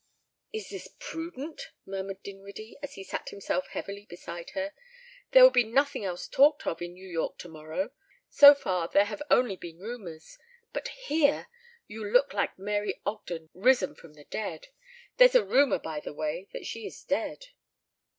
"Is this prudent?" murmured Dinwiddie, as he sat himself heavily beside her. "There will be nothing else talked of in New York tomorrow. So far there have only been rumors. But here! You look like Mary Ogden risen from the dead. There's a rumor, by the way, that she is dead."